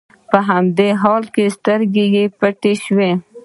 په همدې حال کې يې سترګې پټې شي.